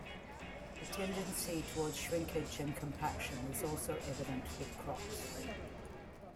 A tendency towards shrinkage and compaction is also evident with crops.